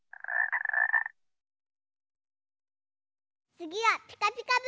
つぎは「ピカピカブ！」